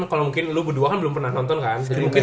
kalau mungkin lu berdua kan belum pernah nonton kan